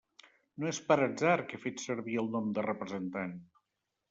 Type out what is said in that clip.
No és per atzar que he fet servir el nom de representant.